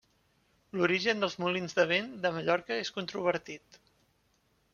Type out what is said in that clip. L'origen dels molins de vent de Mallorca és controvertit.